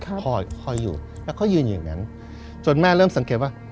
คอยคอยอยู่แล้วก็ยืนอยู่อย่างนั้นจนแม่เริ่มสังเกตว่า